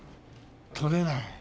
取れない。